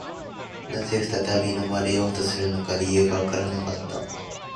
何故再び飲まれようとするのか、理由がわからなかった